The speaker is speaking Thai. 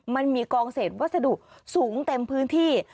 มันมีกองเศษวัสดุสูงเต็มพื้นที่